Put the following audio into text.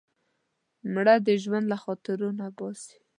مړه د ژوند له خاطرو نه باسې